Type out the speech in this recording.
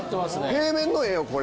平面の絵よこれ。